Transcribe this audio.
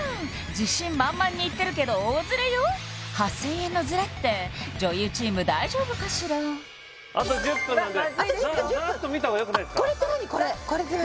自信満々に言ってるけど大ズレよ８０００円のズレって女優チーム大丈夫かしらあと１０分なんでさらっと見た方がよくないですかこれって何？